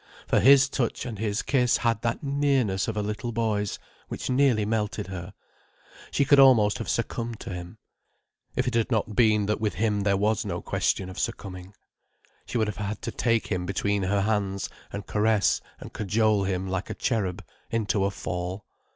For his touch and his kiss had that nearness of a little boy's, which nearly melted her. She could almost have succumbed to him. If it had not been that with him there was no question of succumbing. She would have had to take him between her hands and caress and cajole him like a cherub, into a fall.